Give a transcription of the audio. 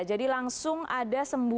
jadi langsung ada sembuh